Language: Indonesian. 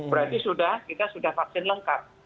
berarti sudah kita sudah vaksin lengkap